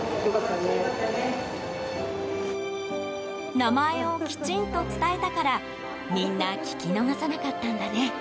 名前をきちんと伝えたからみんな聞き逃さなかったんだね。